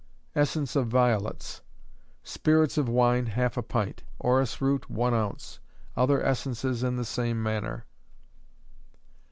Essence of Violets. Spirits of wine, half a pint; orris root, one ounce. Other essences in the same manner.